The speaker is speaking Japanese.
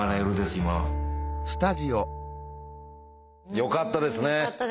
よかったですね。